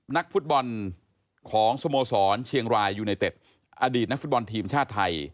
นักฟุตบอลของสโมสรเชียงรายยูไนเต็ดอดีตนักฟุตบอลทีมชาติไทย